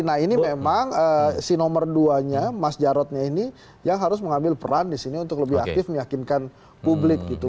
nah ini memang si nomor duanya mas jarodnya ini yang harus mengambil peran di sini untuk lebih aktif meyakinkan publik gitu